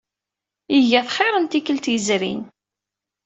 Iga-t xir n tikkelt yezrin.